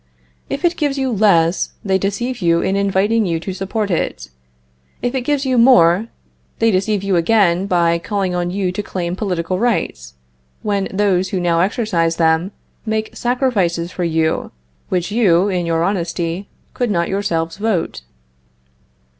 If it gives you less, they deceive you in inviting you to support it. If it gives you more, they deceive you again by calling on you to claim political rights, when those who now exercise them, make sacrifices for you which you, in your honesty, could not yourselves vote.